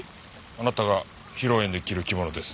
あなたが披露宴で着る着物です。